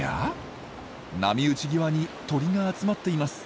波打ち際に鳥が集まっています。